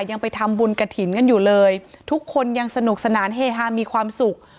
ยังไปทำบุญกระถิ่นกันอยู่เลยทุกคนยังสนุกสนานเฮฮามีความสุข